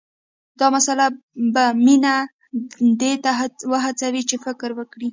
دا مسله به مينه دې ته وهڅوي چې فکر وکړي